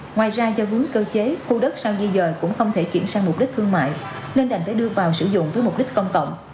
ngoài ra do vướng cơ chế khu đất sau di dời cũng không thể chuyển sang mục đích thương mại nên đành phải đưa vào sử dụng với mục đích công cộng